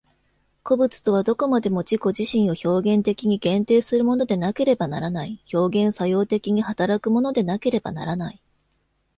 個物とはどこまでも自己自身を表現的に限定するものでなければならない、表現作用的に働くものでなければならない。